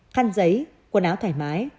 khăn giấy quần áo thoải mái